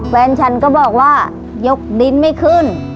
แฟนฉันก็บอกว่ายกดินไม่ขึ้น